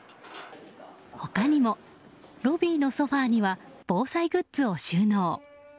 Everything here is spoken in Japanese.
他にも、ロビーのソファには防災グッズを収納。